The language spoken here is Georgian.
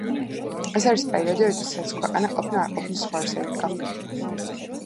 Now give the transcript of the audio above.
ეს არის პერიოდი, როდესაც ქვეყანა ყოფნა-არყოფნის ზღვარზე იდგა.